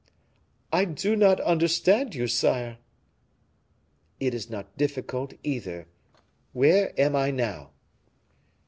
"I do not understand you, sire." "It is not difficult, either. Where am I now?"